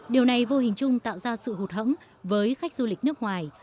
điều này vô hình chung tạo ra sự hụt hẫng với khách du lịch nước ngoài